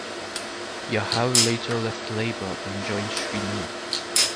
Yahav later left Labour and joined Shinui.